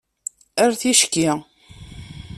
Ar ticki.